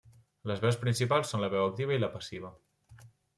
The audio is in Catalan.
Les veus principals són la veu activa i la passiva.